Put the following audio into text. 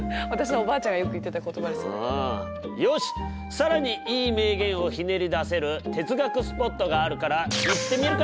更にいい名言をひねり出せる哲学スポットがあるから行ってみるか。